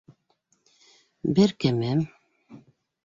Бер кемем...